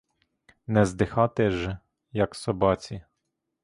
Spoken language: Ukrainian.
Не здихати ж, як собаці!